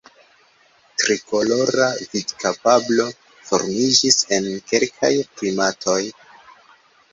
Trikolora vidkapablo formiĝis en kelkaj primatoj.